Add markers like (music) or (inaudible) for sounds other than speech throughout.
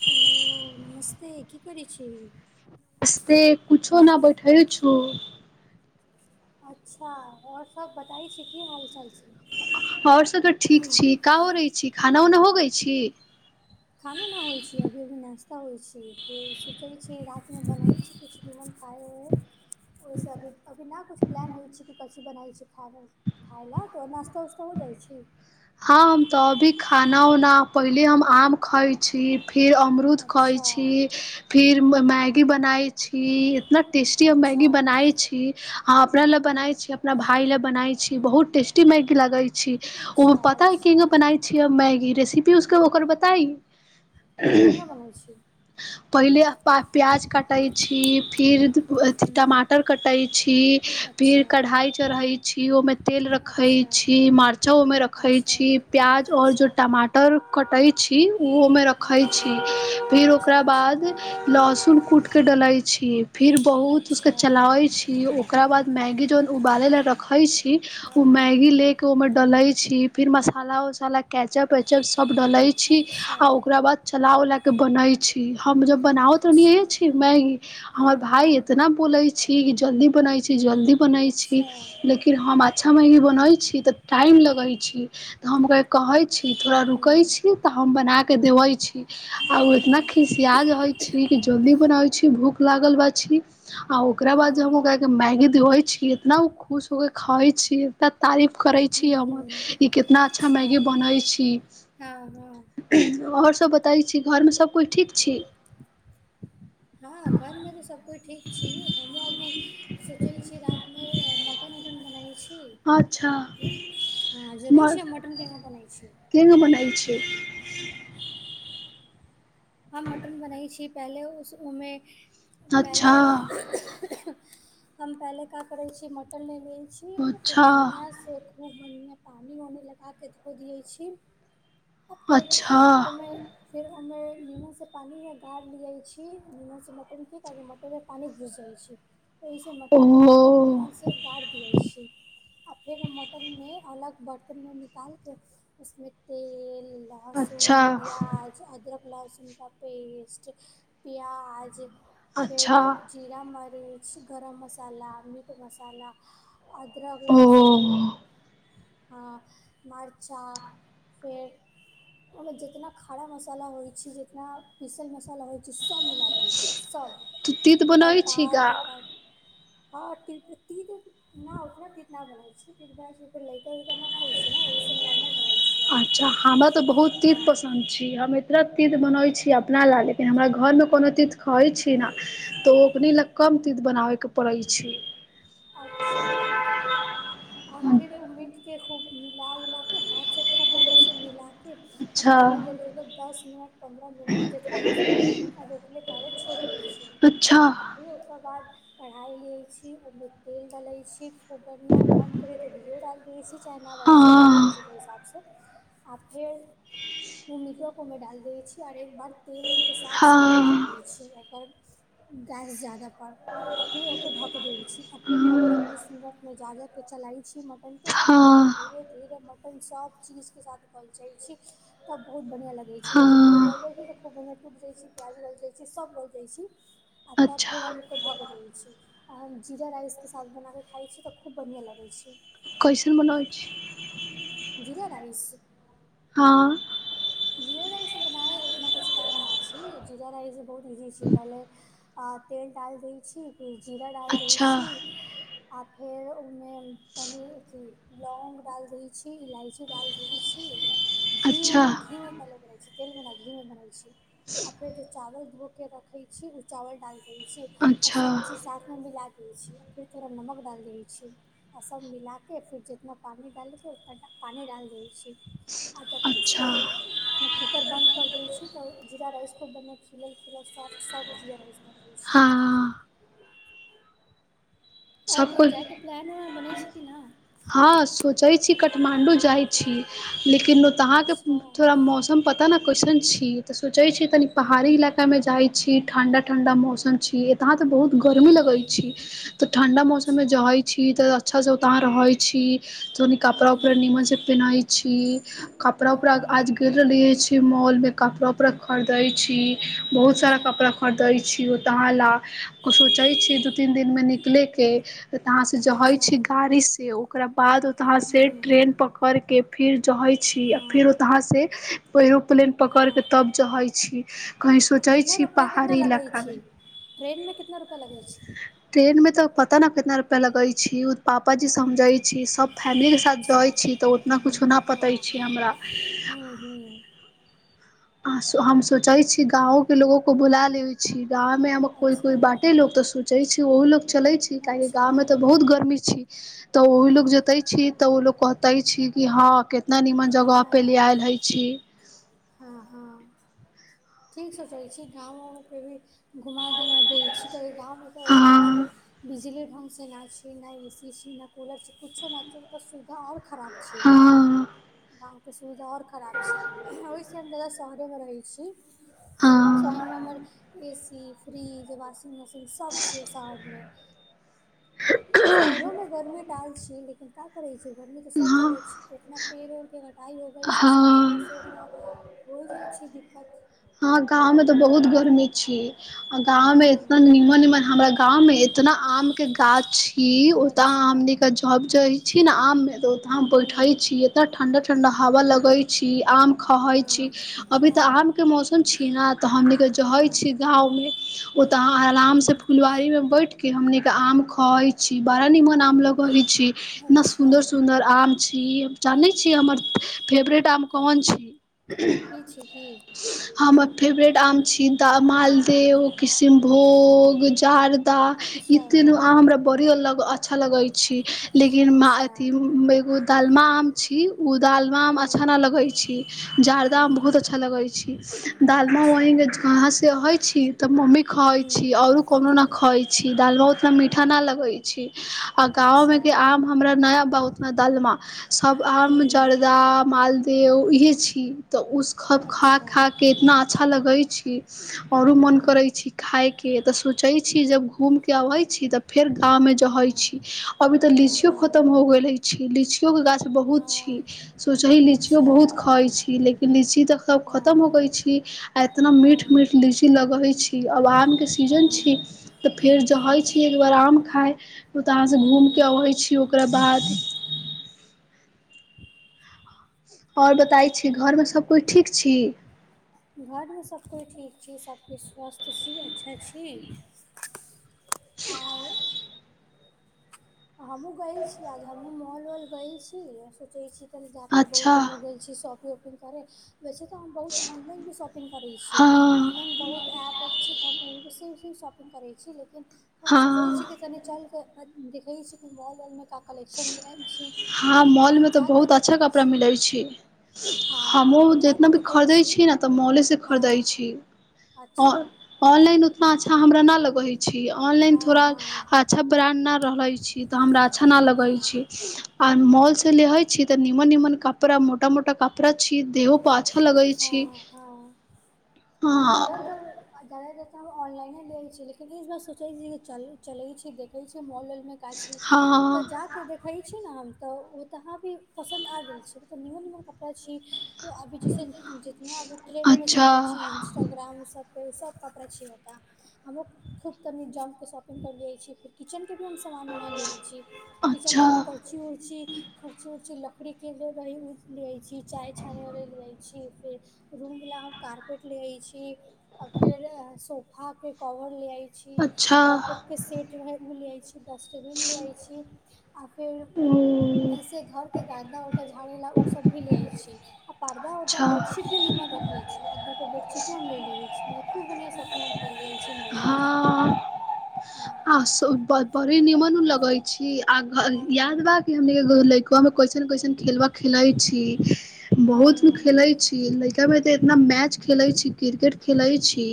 Hello नमस्ते की करै छी? स्ते कूछो न बैठल छू। अच्छा और सब बताई छै की हालचाल छैय? और सब तऽ ठीक छी का हो रहै छी खाना उना हो गई छी? खाना नहि होइ छैय अभी अभी नाश्ता होइ छैय फेर सोचै छी राततिमे बनै छी कुछ निमन आय ओहे ओहिसे अभी अभी ना कछु प्लान होइ छैय की कची बनाई छैय खाय ला त नाास्ता उास्ता जाै छी हँ हम तऽ अभी खाना उना पहिले हम आम खइ छी। फिर अमरुद खोइ अच्छा छी फिर मैगी बनाय छी एतना टेस्टी हम मैगि अच्छा बनाबै छी हम अपना ल हूँ बनाबे छी अपना भाई ल बनाबे छी बहुत टेस्टी मेगी लागय छैय औ अच्छा पता य केना अच्छा बनाबेछी मैगि रेसिपी उसके होकर बताई हँ केना बनै छी? पहिले प प्याज काटैत छी फिर अथि हूँ टमाटर कटैत छी फिर अच्छा कढ़ाई चढ़े छी ओमें तेल रखे अच्छा छी मर्चा ओमें रख रखै अच्छा छी प्याज आओर अच्छा जे टमाटर कटैत छी ओहोमे हँ रखैत छी फिर हँ अच्छा ओकरा अच्छा बाद लहसुन कूट के डलै छी फिर बहुत अच्छा उसके चलाबै छी। ओकरा बाद मैगी जोन उबाले ले रखे छैय। हँ हँ उमैगि लेके ओहिमे डलैय छी फिर मसाला उसाला कैचप वेचप सब डाले छी अच्छा आ ओकरा बाद चला उला के बने छी हम जब बनाब अच्छा एतनेये छी मैगि हँ हमर भााय हँ इतना बोले छी कि जल्दी बनाई छी जल्दी बना छै अच्छा छी लेकिन हम अच्छा मैगी बनैछी त टाइम लागैय छी त हमरा कहैत छी थोड़ा रूकै हूँ छी तऽ हम बना क देबय छी आ ओ इतना हँ खिसियाज रहे छै जल्दी बनाै छी भूख लागल बा छी ओकरा हँ बाद जे हँ हम ओकराके मैगि धोइ छ इतना खुश होके खाइ छैय इतना तारीफ करै छी हूँ हमर। कि कितना अच्छा मैगी बनै छी। हँ हँ आओर सब बताबै छी घरमे सभ कोइ ठीक छि? हँ घर मे तऽ सबकइ ठीक छिये हमहुँ अभी सोचै छिये रात मे मटन ओटन बनाै छी। अच्छा की हूँ ह जेनय मर छियै मटन केना बनाै छैय। केना बनाइ छैय? हम मटन बनाई छी पहिले उस उमे अच्छा हम पहिले क करै छी मटन ले ले छी ओ के अच्छा बढ़िआँ से खूब बढ़िआँ पानि वानि लगाके धो दै छी। आ फेर अच्छा नीमू से पानी मे गार लिये छी नीमू से मटन किकरी मटन मे पानी घुस जाइ छैय। इे मटन के ओहो पहले नीमन से गाड़ दिय छैय आ फेर मटन मे अलग बर्तनमे निकालके उसमे तेल अच्छा लहसुन प्याज अदरक लहसुन का पेस्ट प्याज अच्छा फेर जीरा मर गरम मसला मीट मसला अदरक ओ लहसून हँ मर्चा फेर ओहिमे जितना खरा मसाला होइ छै जितना पीसल मसाला होइ छै सभ मिला दैबै छियै तू तीत सभ बनबै छी का तेरपात उरपात हाँ टी तिनूक न ओतना तीत न बनाबै छियै कियाकि भाईजिक छी हम अच्छा हमरा त बहुत तित हँ पसन्द छी हम एतबै तीत बनैबे छी अपना ल लेकिन हमरा घर मे कोनो तीत खाैही छी न त ओकनी ल कम तीत बनाबैके पड़ै छै अच्छा फिर उ मिट के खूब मिला उलाके हाथसँ खूब बढ़िआँ से मिला अच्छा तनि देर के दस मिनट पन्द्रह मिनट जितना हो सके उतना देर के पहिले छोड़ि दियै छियै अच्छा आ फर ओकर बाद कढ़ाइ लैत छी ओहिमे तेल डालै छी ओ बढ़िआँ मन करै तऽ भोड रहै छी चाहे नहि रहल छी अपन हँ मर्जीके हिसाब सेँ आ फेर ओ मिटो के ओहिमे मे डाल दैबय छी आर एक बार तेल के साथ सब मिला देबे हँ छियै एकर गैस जादा आ फीर ओके ढक देल छी अी पन्द्रह बीस मिनटमे जान के चलाइ छी मर एन के खूब बनि हँ हँ धीरे धीरे म अपन सब चीज के साथ करल चाहे छी त बहुत बढ़िया लग छी धीरे कल हँ जाइ छै तऽ खूब बढ़िआ टूट जाइ छै प्याज गल जाइ छै सभ गल जाइत छी आ तब फेर अच्छा हम ओकर धगऽ रहैत छी आ जीरा राइस के साथ बनाकऽ खाय छी तऽ खूब बढ़ियाॅं लगै छी कैसन बनाई छी जीरा राइस हाँ (unintelligible) बनाब उतना कुछ काम न छी जीरा रा बहुत इजी छी पहले तेल डाल छी जीरा डाल देबै अच्छा छी आ फेर ओ मे पनीर अथ लौंग डालि दै छी इलायची डालि दै छी अच्छा घीउमे घी मे पहले तेलमे र घीउमे बनै छै आ फेर जे चावल धोके रखैत छी ओ चावल डालि दै छी आ अच्छा सब चीज साथ मे मिला के फिरथोड़ा नमक डालि दै छी आर सब मिलाके फिर जितना पानि डालके ओतना ड पानि डालि दै छी आ जबसे अच्छा अपना कूकर बन्द कर दै छी तऽ जीरा राइसो बन खिलल खिलल सॉफ्ट सॉफ्ट जीरा राइस बन जाइ छै हाँ और कही जाय के प्लान उलान बनै छै कि नहि हं सोचै छी काठमाण्डू जाइ छी लेकिन तऽ अहाँ के अच्छा थोड़ा मौसम पता न कैसन छी तऽ सोचे छी तनी पहाड़ी हूँ इलाकामे जाइ छी ठण्डा ठण्डा मौसम छी यहाँ तऽ बहुत गरमी लगै हूँ छी ठण्डा मौसममे अच्छा जाइ छी तऽ अच्छास से उतहाँ रहै छी जोनी हूँ कपड़ाऊपर निमनसे पेन्हइ छी कपड़ा उपड़ा हँ आज गेल रहलेे छी मॉल में कपड़ा उपड़ा खरदै छी बहुत सारा अच्छा कपड़ा खरदै छी तहाला सोचे छी दू तीन दिन मे न लेके तहाँ से जहई अच्छा छी गाड़ी से ओकरा बाद ओतहा से हूँ ट्रेन पकड़ के फिर जहे हँ फेर ओतहो से एरोप्लेन पकड़िक हँ तब चै छी कही सोचै इ छी रुपया कितना पहाड़ी लगै इलाका छै मे ट्रेन में कितना रुपया लगै छै ट्रेन में तऽ पता न कितना रुपया लगै छी पापाजी समझै छी सब फैमिलीके साथ अच्छा जाइत छी तऽ उतना किछो नहि पतै छी हमरा ह्म आ हम सोचै छी गांव के लोगो को बुला ले छी गांव मे हम कोई अच्छा कोई बाटे लोग ते सोचे छै ओह लोग चले छै काहे अच्छा गाँव मे तऽ बहुत गर्मी छी तऽ ओह लोग हँ जतो छी तऽ ओ लोग कहतै छी कि हाँ एत निमन जगहपर ले आयल हइ छी हाँ हाँ ठीक सोचै छी गाँव वर के भी घुमा दुुमा दै छी तऽ गाँव मे त आओर हँ बिजली ढंग से ना छै न ए सी न कूलर किछो न छै सुविधा आओर खराब हाँ के सुविधा आओर खराब छी ओहिसे हम जादा शहरेमे रहै छी शहर हँ मे हमर A C fridge washing machine सब छीयै शहर मे शहरो में गर्मी टाल छी लेकिन का करे छै गर्मी ते सब हँ जगह छी इतना पेड़ उड़ के पढ़ाई हो गेल छै सब हँ जगहसँ तऽ होइ जाइ छै दिक्कत ह गाँंव में तऽ बहुत गर्मी छी आ गांव में इतना हँ निमन निमन हमरा गाँं में एतना आम के गाछ छी उता अच्छा हमनी के जब जाय छी ने आम मे त उता हूँ बैठल छी एतना ठंडा ठंडा हवा लगै छी आम खाय छी हँ अभी तऽ हँ आम के मौसम छीन हमनी के हँ भई उ त हाह हूँ फुलबारी के आम खाई छी बड़ा निमन आम लग हि इतना अच्छा सुन्दर सुन्दर आम छी हम जानै छीै हमर फेवरेट आम कौन छी की छी की हमर फेवरेट आम छी द मालदेह किशनभोग जार कुता इ अच्छा तीनू आम हमरा बड़े ल अच्छा लगे छी लेकिन अच्छा अथ एगो दालमा आम छी ओ दालमा आम अच्छा हूँ नहि लगै छै हूँ जादा मे बहुत अच्छा हूँ लगै छी दालमा अच्छा वही कहाँसँ रहै छी तऽ मम्मी खाइ छी हूँ आओरो कोनो नहि खाइ छी छी दालमा उतना मीठा ना लगै छै आ गाँंव मे अच्छा क आम हमरा नया बहुत दलमा सब आम हूँ जर्दा मालदह त इहे छी तऽ उस ख खा अच्छा के इतना अच्छा लगै छै आओरो मन करै हँ छी खाायके तऽ सोचै छी जब घूम के अबै छी तऽ फेर गाँव मे जहै हँ छी अभी तऽ हँ लीचियो हँ खतम हो गेलै छै लीचियो गाछ बहुत छी हँ सोच ही लीचियो अच्छा बहुत खाई छी लेकिन लीची तऽ सब खतम हँ होगई छै इतना मीठ हँ मीठ लीचि लगई छी रहै छी हँ हँ हूँ एकबार आम खााय ओतहाँसँ घूमि कऽ अबै छी ओकरा बाद (unintelligible) आओर बताइ छी घरमे हूँ सभकोइ ठीक छी सभकिछु स्वासस्थ छी अच्छा छी आओर हमहूँ गेलै छी आ हमहूँ मॉल वॉल गैल छी सोचैत छी जाके बहुत अच्छा दिनो गेल छै शॉपिंग व उपिंग करे वैसे तऽ हम बहुत ऑनलाइन भी शॉपिंग करै छी हँ ऑनलाइन बहुत ऐप छै तऽ हम ओस शॉपिंग करै छी लेकिन हम सोचै हँ छी तनि चल के देखे छी कि मॉल वलं काफी हँ मॉल मे तऽ जाके बहुत अच्छा देखै कपड़ा छी मिलै छै हँ हम हमहूँ जितना जाके भी देखै खरीदै छी ने तऽ मॉलेसँ खरीदै हँ छी अच्छा ऑनलाइन उतना अच्छा हमरा नहि लगै छी ऑनलाइन हँ थोड़ा हँ अच्छा ब्रांड रहले छी तऽ हमरा अच्छा न लग हँ आ मॉल हँ से ले छी इमन इमन कपड़ मोटा मोटा कपड़ा छी देहो (unintelligible) पाछा लगै छी हँ हँ हँ हँ सब ऑनलाइने देे छै लेकिन इस बार सोचे छी च चले छै देखे छी मॉल (unintelligible) मे गाछी तऽ हँ जाके देखै छी ने हम (unintelligible) तऽ ओ तऽ अहाँ भी पसन्द आ गेल छै मतलब निओ निओ कपड़ा छी अभी जैसे जितना अभी ट्रेंडमे अच्छा चलै छै इन्स्टाग्राम सब सब कपड़ा छै हम ख त जाम के शॉपिंग करलिय छीर किचेन के भी हम सामान उमान लेे छी किचन के अच्छा भी करर्ची उीर्ची उर्च पकरी के ल लिय छी चाय छाने वाले ल ू कारेट ले फेर हा के कवर लिया छी अच्छा कपप के सेट लिय छी डस्टबिन लेइ छी आ ओ फेर ऐसे घर के गाधा उ झाड़े ला उ सब भी ले छी आ पर्दा उर्दा अच्छा बेडशीट भी निीमन रखे छ आ चिटोमे लेलियै छी म खूब बढ़िआँसँ अपनाम करलिय छी ममे जाके हँ हँ आ बड़े नीमन लगे छी आ हँ यादवार के हम में कइसन कसन खेलबा खेले छी बहुत हँ खेले छी ल तब एते एतना मैच खेले छी क्रिकेट खेले छी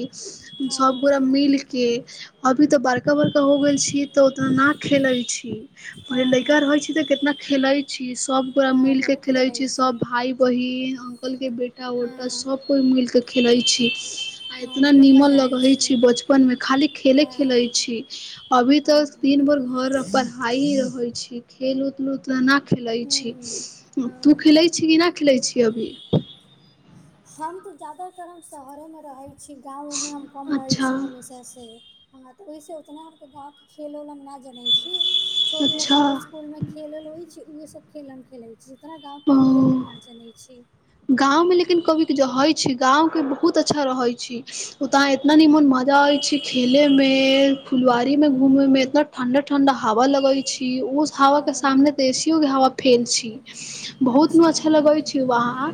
हँ सबगोरा हँ मिलके अभी तऽ बड़का बड़का हो गेल छी तऽ उतना न खेले छी पै लड़का हँ रहे छी तऽ केितना खेले छी सब गोरा मिल के खेलै छी सब भाई बहिन के बेटा हँ ओटा सभ कोइ मिलके खेलैत छी आ हँ इतना खूब नीमन मजा आइ लगहय छै छी बचपन मे खाली खेले खेलै हँ छी अभी हँ तक हँ तीन भर घर पढ़ाइ होई छी खेल उत ना खिलै छी हूँ तू हँ खिलै छी कि नय खिलै छी अभी हम तऽ जादातर हम शहरे मे रहै छी छी गाँव मे हम कम रहैत अच्छा छी हमेशाँ से हँ तऽ ओहिसँ ओतना आर गाँव के खेल उल हम ना जनै छी छोट मोट अच्छा हमर स्कूल में खेलल होइ छै उहे सब खेल मे हम खेले छै जितना गाँव के हम खेल ओ ऊल ना जनै छी गाँव मे लेकिन कभीक रहैत छै गाँव के बहुत अच्छा रहै छी उता इ एतना हँ नीमन भजा आय छै खेले मे में फुलवारी में हँ घूमे में इतना ठंडा ठंडा हवा लगे छी उस हवा के हँ सामने त एसीओ के हवा फेल छी बहुत न अच्छा लगे छी उवहा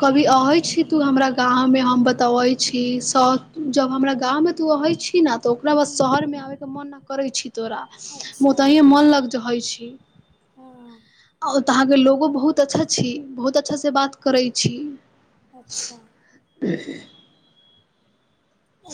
कभी अहय छी तू हमरा गाँव मे हम हूँ बतबै छी तऽ जब हमरा गाँव मे तू अहइ छी न तऽ ओकरा बाद हूँ शहर मे हूँ आबैके मन न करै छी तोरा ओ तहिए मन लग जाै छी ह ओ तऽ अहाँ के लोगो बहुत अच्छा छी बहुत अच्छा से बात करै छी अच्छा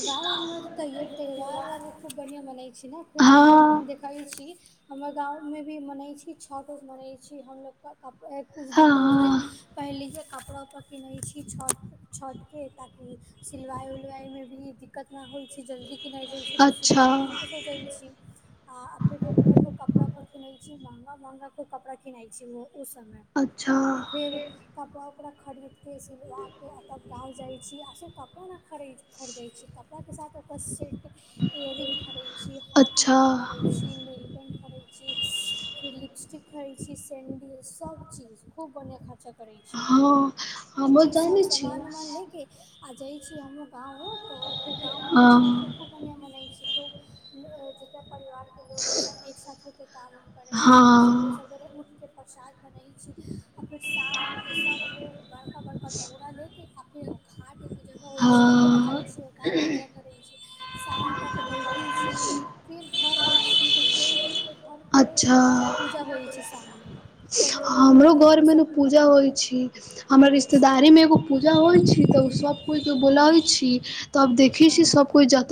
गाँव मे तैयो त्यौहार आर खूब बढ़िआँ बनै छी ने खूब हमहूँ हँ देखैय छी हमर गाँवमे भी मनैत छी छठ उठ मनै छी हमलोगके कप ए कुछ दिन दस दिन हँ पहिलिए सँ कपड़ा उपड़ा किनै छी छट के ताकि सिलवाइ उलवाइ मे निही दिक्कत न होइत छै जल्दी किनय जाइ छै अच्छा सिलवा मे दिक्कत हो जाइ छी आ फिर हमनीओ के कपड़ा कप किनै छी महंगा महंगा क कपड़ा किनै छी ओ ओ समय अच्छा आ फेर कपड़ा कपड़ा खरीद के सिलवा के तब गाँव जाइ छी आ सिर्फ कपड़ा नय खरीद खरीदै छी कपड़ा के साथ ओकर सेट इयर रिंग खेड़े छी हाथ मे अच्छा के खड़े छी नेल पेंट खेड़े छी फिर लिपस्टिक खरी छी सैंडिल सब चीज खूब बढ़िया खा करै छी हँ आ हमहुँ अपने सब जानै छी सान उमान ले के आ जाइ छी हमू गाँव र तऽ फेर गाँव मे तऽ छठ छ हँ खूब बढ़िआँ बनै छै खूब जकर परिवार के लो सब एक सााथ हो के काम करे छी सबेरे हँ सबेरे उठ के प्रसाद बनै छी आ फेर शाम होके सब लोग बड़का बड़का दौड़ लेके आ फेर घाट पूजन होइ छै त जाय हँ छी ओत पूजा करे छी शाम तक बैठे छी फिर घर आय छि त कोइ बी अच्छा शाममे कोनो कोइ हमरो कोइके घर घरपे मे ने सबके पूजा घरपे ना होइ छी हमर अच्छा रिश्तेदारी मे एगो पूजा होइ छी तऽ सब कोइ के हाँ बोलाबै छी तब देखै छी हाँ सब कोइ जता